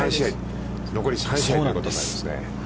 残り３試合ということになりますね。